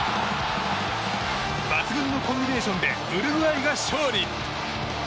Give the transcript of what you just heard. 抜群のコンビネーションでウルグアイが勝利。